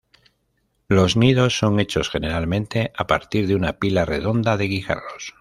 Los nidos son hechos generalmente a partir de una pila redonda de guijarros.